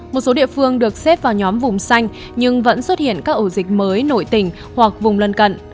một số địa phương được xếp vào nhóm vùng xanh nhưng vẫn xuất hiện các ổ dịch mới nội tỉnh hoặc vùng lân cận